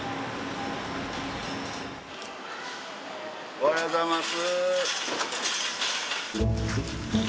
おはようございます。